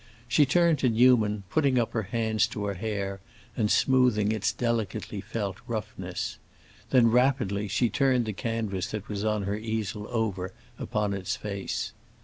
She turned to Newman, putting up her hands to her hair and smoothing its delicately felt roughness. Then, rapidly, she turned the canvas that was on her easel over upon its face.